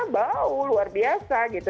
bau luar biasa gitu